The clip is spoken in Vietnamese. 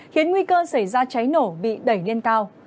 khiến nguy cơ xảy ra cháy nổ bị đẩy lên cao